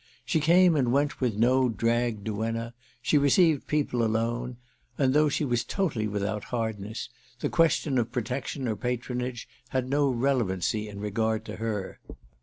She came and went with no dragged duenna, she received people alone, and, though she was totally without hardness, the question of protection or patronage had no relevancy in regard to her.